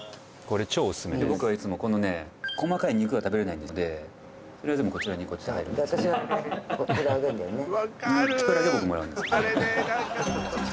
僕はいつもこのね細かい肉が食べれないのでそれを全部こちらに私がこれあげんだよね